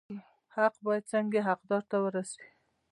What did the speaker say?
حق باید څنګه حقدار ته ورسي؟